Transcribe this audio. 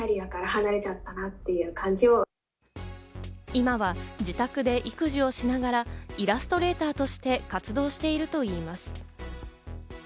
今は自宅で育児をしながら、イラストレターとして活動しているといいます。